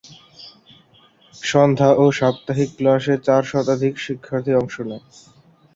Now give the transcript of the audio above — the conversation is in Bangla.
সন্ধ্যা ও সাপ্তাহিক ইসলামিক ক্লাসে চার শতাধিক শিক্ষার্থী অংশ নেয়।